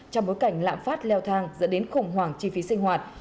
trong bối cảnh lạm phát leo thang dẫn đến khủng hoảng chi phí sinh hoạt